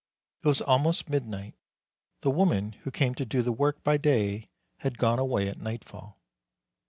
It was almost midnight. The woman who came to do the work by day had gone away at nightfall.